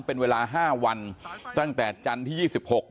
เป็นเวลา๕วันตั้งแต่จันทร์ที่๒๖